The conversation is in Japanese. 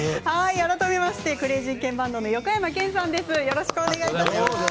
改めてクレイジーケンバンドの横山剣さんです。